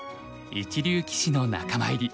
一流棋士の仲間入り。